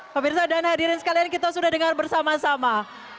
pemirsa dan hadirin sekalian kita sudah dengar bersama sama